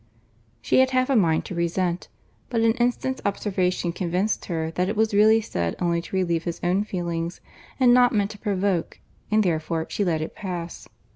She had half a mind to resent; but an instant's observation convinced her that it was really said only to relieve his own feelings, and not meant to provoke; and therefore she let it pass.